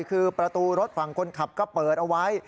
คือประตูรถฝั่งคนขับก็เปิดเอาไว้